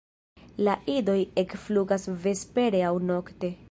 La idoj ekflugas vespere aŭ nokte.